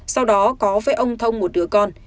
sau đó có với ông thông một đứa con